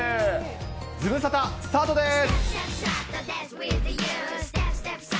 ズムサタスタートです。